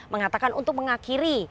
mengatakan untuk mengakhiri